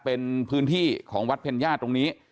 เป็นพื้นที่ของวัดเพ็ญญาติตรงนี้